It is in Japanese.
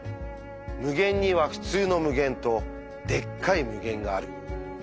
無限には「ふつうの無限」と「でっかい無限」がある。